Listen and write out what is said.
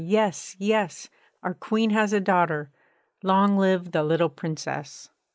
Yes, yes Our Queen has a daughter! Long live the little Princess!'